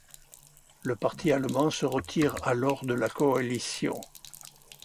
Le Parti allemand se retire alors de la coalition.